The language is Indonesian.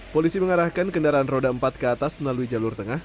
polisi mengarahkan kendaraan roda empat ke atas melalui jalur tengah